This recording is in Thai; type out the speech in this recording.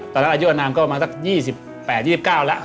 ตอนนั้นอายุนามก็มาสัก๒๘๒๙แล้ว